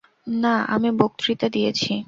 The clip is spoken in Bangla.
না, আমি বক্তৃতা দিয়েছি।